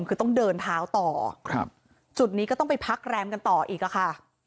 คือต้องเดินเท้าต่อครับจุดนี้ก็ต้องไปพักแรมกันต่ออีกอะค่ะ